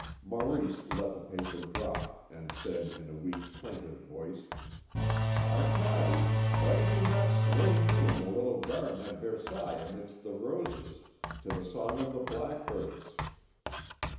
Maurice let the paper drop, and said in a weak, plaintive voice: "Arcade, why did you not slay me in the little garden at Versailles amidst the roses, to the song of the blackbirds?"